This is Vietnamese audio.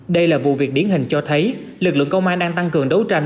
đây là vụ việc điển hình cho thấy lực lượng công an đang tăng cường đấu tranh